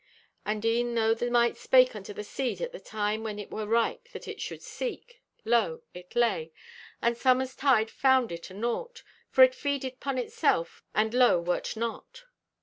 "And e'en though the Mite spake unto the Seed at the time when it wert ripe that it should seek, lo, it lay, and Summer's tide found it a naught, for it feeded 'pon itself, and lo, wert not.